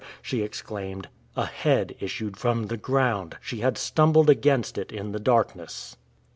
she exclaimed. A head issued from the ground! She had stumbled against it in the darkness.